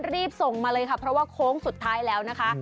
รีบส่งมาเลยค่ะเพราะว่าโค้งสุดท้ายแล้วนะคะ